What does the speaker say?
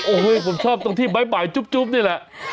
โอ้โหผมชอบตรงที่บ๊ายจุ๊บนี่แหละ